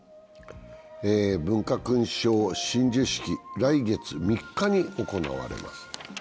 文化勲章親授式は来月３日に行われます。